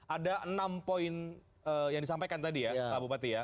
ada enam poin yang disampaikan tadi ya pak bupati ya